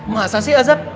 masa sih azab